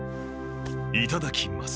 いただきます。